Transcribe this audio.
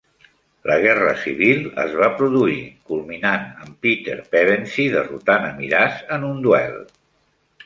La guerra civil es va produir, culminant amb Peter Pevensie derrotant a Miraz en un duel.